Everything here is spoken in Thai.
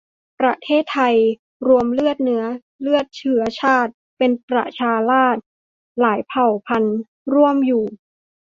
ประเทศไทย รวมเลือดเนื้อ หลายเชื้อชาติ เป็นประชาราษฏร์ หลายเผ่าพันธุ์ร่วมอยู่